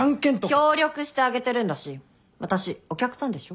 協力してあげてるんだし私お客さんでしょ。